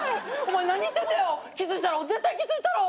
お前何してんだよ！